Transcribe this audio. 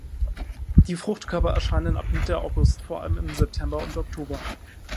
Die Fruchtkörper erscheinen ab Mitte August, vor allem im September und Oktober.